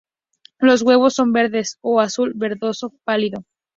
Los huevos son verdes o azul-verdoso pálido.